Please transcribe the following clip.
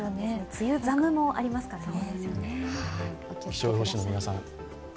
梅雨寒もありますからね。